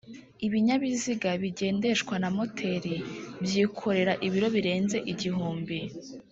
ibinyabiziga bigendeshwa na moteri byikorera ibiro birenze igihumbi